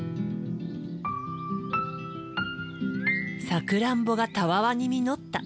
サクランボがたわわに実った。